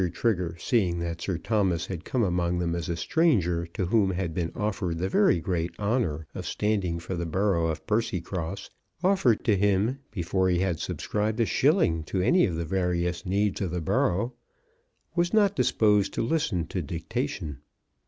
Trigger, seeing that Sir Thomas had come among them as a stranger to whom had been offered the very great honour of standing for the borough of Percycross, offered to him before he had subscribed a shilling to any of the various needs of the borough, was not disposed to listen to dictation.